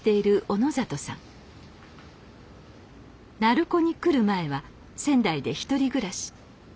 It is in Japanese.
鳴子に来る前は仙台で１人暮らし。